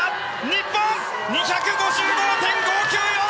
日本、２５５．５９４！